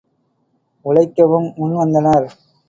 உழைக்கவும் முன் வந்தனர்.